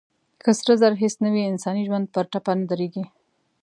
که سره زر هېڅ نه وي، انساني ژوند پر ټپه نه درېږي.